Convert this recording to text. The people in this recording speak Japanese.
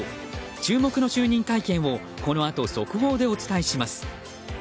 注目の就任会見をこのあと速報でお伝えします。